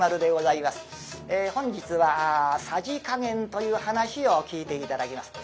本日は「さじ加減」という噺を聴いて頂きます。